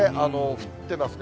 降ってますね。